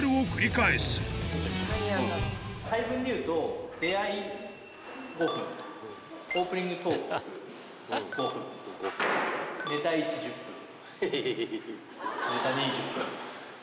配分でいうと、出会い５分、オープニングトーク５分、ネタ１、１０分、ネタ２に１０分。